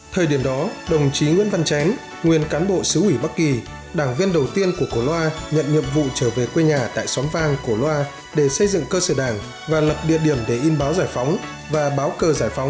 thời điểm đó đồng chí nguyễn văn chén nguyên cán bộ sứ ủy bắc kỳ đảng viên đầu tiên của cổ loa nhận nhiệm vụ trở về quê nhà tại xóm vang cổ loa để xây dựng cơ sở đảng và lập địa điểm để in báo giải phóng và báo cơ giải phóng